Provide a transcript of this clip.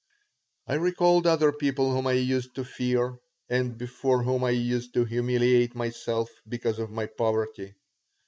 I recalled other people whom I used to fear and before whom I used to humiliate myself because of my poverty.